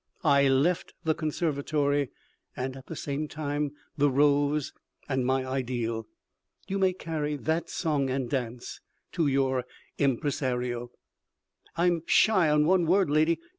I left the conservatory, and, at the same time, the rose and my ideal. You may carry that song and dance to your impresario." "I'm shy on one word, lady.